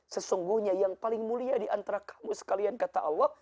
sesungguhnya yang paling mulia diantara kamu sekalian kata allah